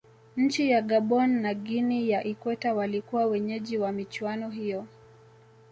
nchi ya gabon na guinea ya ikweta walikuwa wenyeji wa michuano hiyo